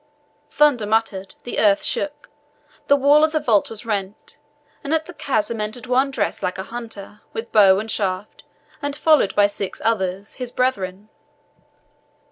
Thunder muttered, the earth shook, the wall of the vault was rent, and at the chasm entered one dressed like a hunter, with bow and shafts, and followed by six others, his brethren.